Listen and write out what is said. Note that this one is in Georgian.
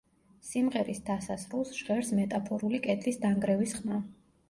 სიმღერის დასასრულს ჟღერს მეტაფორული კედლის დანგრევის ხმა.